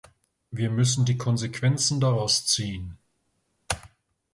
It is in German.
Wir müssen die Konsequenzen daraus ziehen.